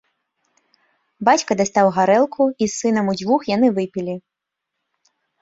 Бацька дастаў гарэлку, і з сынам удвух яны выпілі.